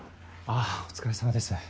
あお疲れさまです。